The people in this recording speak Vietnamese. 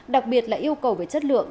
đặc biệt là yêu cầu về chất lượng